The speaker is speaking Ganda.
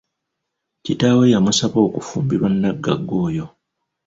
Kitaawe yamusaba okufumbirwa nagagga oyo.